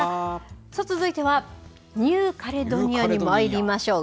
続いてはニューカレドニアにまいりましょう。